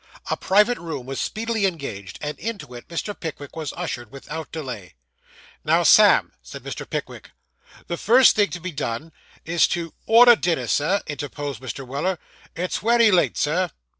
A private room was speedily engaged; and into it Mr. Pickwick was ushered without delay. 'Now, Sam,' said Mr. Pickwick, 'the first thing to be done is to ' Order dinner, Sir,' interposed Mr. Weller. 'It's wery late, sir.